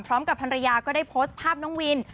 พร้อมกับภรรยาก็ได้โพสต์ภาพน้องวิน